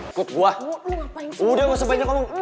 udah gak sebanyak ngomong